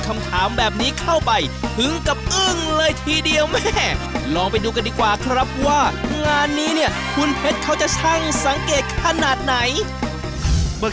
เมื่อกี้เห็นใช่ไหม